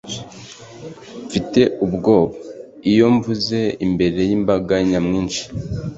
Mfite ubwoba iyo mvuze imbere yimbaga nyamwinshi